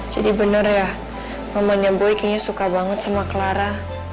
jadi bener ya mamanya boy kayaknya suka banget sama clara